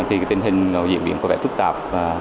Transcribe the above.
thì tình hình diễn biến có vẻ phức tạp